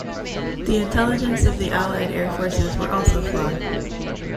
The intelligence of the Allied Air Forces were also flawed.